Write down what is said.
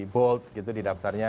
bold gitu di daftarnya